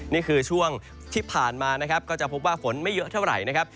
นี่คือช่วงที่ผ่านมานะครับก็จะพบว่าฝนไม่เยอะเท่าไหร่นะครับ